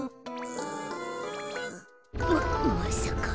ままさか。